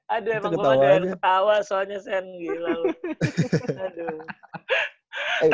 aduh emang gue gak ada yang ketawa soalnya chen gila bu